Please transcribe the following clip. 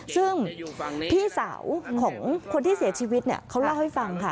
ซึ่งพี่สาวของคนที่เสียชีวิตเนี่ยเขาเล่าให้ฟังค่ะ